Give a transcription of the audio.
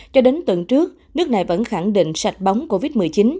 cho đến tuần trước nước này vẫn khẳng định sạch bóng covid một mươi chín